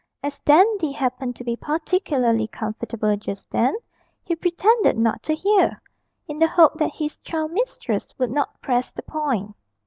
As Dandy happened to be particularly comfortable just then, he pretended not to hear, in the hope that his child mistress would not press the point.